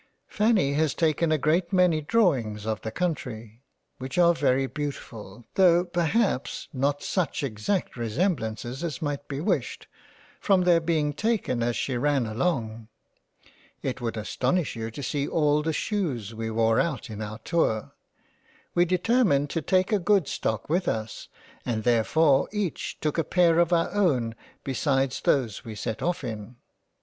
Fanny has taken a great many Drawings of the Country, which are very beautiful, tho' perhaps not such exact resem blances as might be wished, from their being taken as she ran along. It would astonish you to see all the Shoes we wore out in our Tour. We determined to take a good Stock with us and therefore each took a pair of our own besides those we set off in.